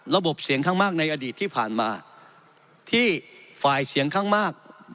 เสียงข้างมากในอดีตที่ผ่านมาที่ฝ่ายเสียงข้างมาก